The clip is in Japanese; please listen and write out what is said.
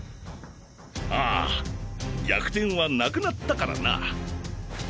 ああ逆転はなくなったからな。